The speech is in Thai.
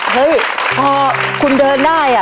เฮ้ยพอคุณเดินได้